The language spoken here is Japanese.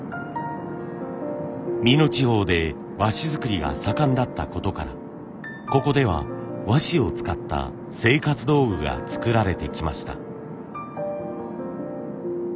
美濃地方で和紙作りが盛んだったことからここでは和紙を使った生活道具が作られてきました。